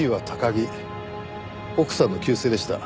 奥さんの旧姓でした。